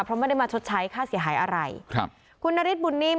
เพราะไม่ได้มาชดใช้ค่าเสียหายอะไรครับคุณนฤทธบุญนิ่ม